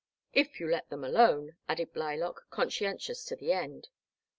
165 " If you let them alone," added Blylock, con scientious to the end.